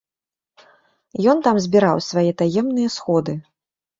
Ён там збіраў свае таемныя сходы.